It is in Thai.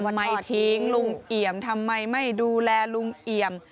ไม่ทิ้งลุงเอี่ยมทำไมไม่ดูแลลุงเอี่ยม